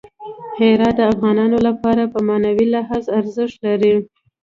هرات د افغانانو لپاره په معنوي لحاظ ارزښت لري.